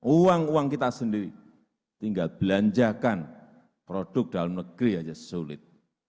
uang uang kita sendiri tinggal belanjakan produk dalam negeri saja sulit